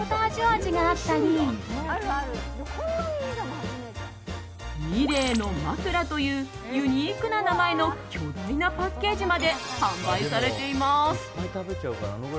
味があったりミレーの枕というユニークな名前の巨大なパッケージまで販売されています。